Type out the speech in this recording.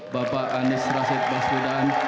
bapak anies rasid basudan